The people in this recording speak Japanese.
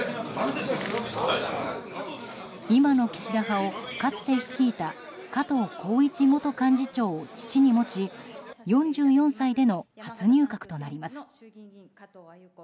今の岸田派をかつて率いた加藤紘一元幹事長を父に持ち４４歳での初入閣となります。